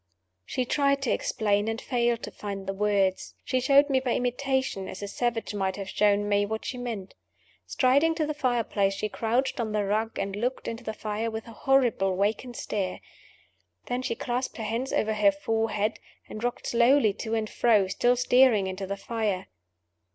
She tried to explain, and failed to find the words. She showed me by imitation, as a savage might have shown me, what she meant. Striding to the fire place, she crouched on the rug, and looked into the fire with a horrible vacant stare. Then she clasped her hands over her forehead, and rocked slowly to and fro, still staring into the fire.